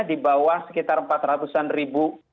di bawah sekitar empat ratus an ribu